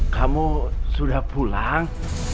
kamu sudah pulang